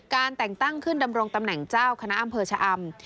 แต่งตั้งขึ้นดำรงตำแหน่งเจ้าคณะอำเภอชะอำ